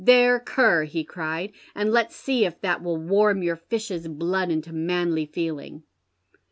' There, cur,' he cried, ' and let's see if that will wanu your fish's blood into manly feeling.'